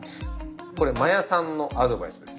これ真矢さんのアドバイスです。